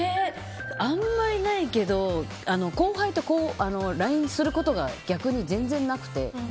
あんまりないけど後輩とＬＩＮＥすることが逆に全然なくて。